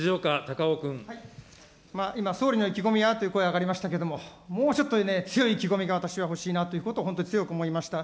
今、総理の意気込みはという声が上がりましたけれども、もうちょっと強い意気込みが私は欲しいなということを本当に強く思いました。